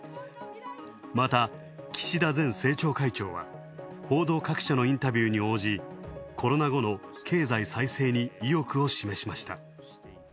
また、岸田前政調会長は報道各社に応じ、コロナ後の経済再生に意欲を示しました。